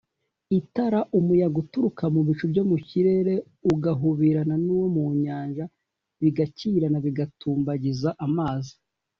(Itara ) Umuyaga uturuka mu bicu byo mu kirere ugahubirana n’uwo mu Nyanja bigakirana bigatumbagiza amazi